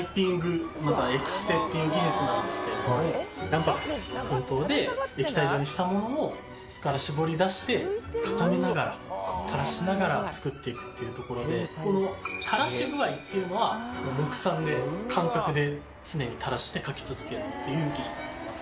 またはエクステっていう技術なんですけれども卵白と粉糖で液体状にしたものを筒から絞り出して固めながら垂らしながら作って行くっていうところでこの垂らし具合っていうのは目算で感覚で常に垂らして描き続けるっていう技術になります。